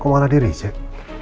kok malah di reject